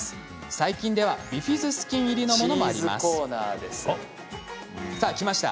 最近ではビフィズス菌入りのものもありますさあきました。